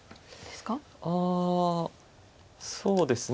あそうですね